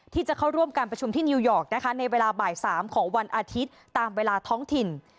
ที่จะเข้าร่วมการประชุมที่นิวยอร์กนะคะในเวลาบ่าย๓ของวันอาทิตย์ตามเวลาท้องถิ่น